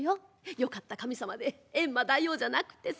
よかった神様でエンマ大王じゃなくってさ。